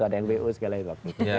ada npu segala gitu